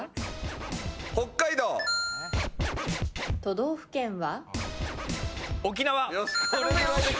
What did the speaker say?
都道府県は？